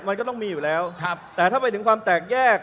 มันก็ต้องมีอยู่แล้วแต่ถ้าไปถึงความแตกแยก